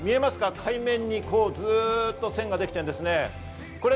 海面にずっと線ができています。